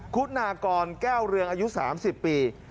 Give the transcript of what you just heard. คุณากรแก้วเรืองอายุ๓๐ปี